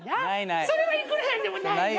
それはいくら何でもないな。